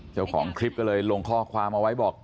เจ้าของคลิปก็เลยลงข้อความเอาไว้บอก